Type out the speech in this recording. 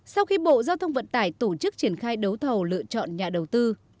sau khi bộ giao thông vận tải tổ chức triển khai đấu thầu lựa chọn nhà đầu tư